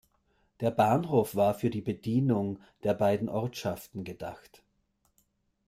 Der Bahnhof war für die Bedienung der beiden Ortschaften gedacht.